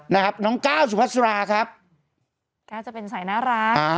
นะครับน้องก้าวสุพัสราครับก้าวจะเป็นสายน่ารักอ่า